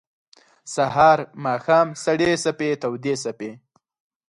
سهار ، ماښام سړې څپې تودي څپې